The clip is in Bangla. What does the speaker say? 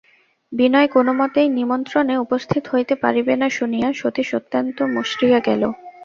বিনয় কোনোমতেই নিমন্ত্রণে উপস্থিত হইতে পারিবে না শুনিয়া সতীশ অত্যন্ত মুষড়িয়া গেল।